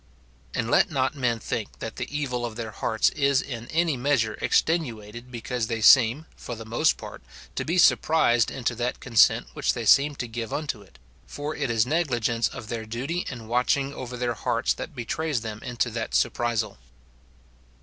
And let not men think that the evil of their hearts is in any measure extenuated because they seem, for the most part, to be surprised into that consent which they seem to give unto it ; for it is negligence of their duty in watching over their hearts that betrays them iuto that surprisal.